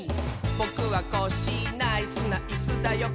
「ぼくはコッシーナイスなイスだよ」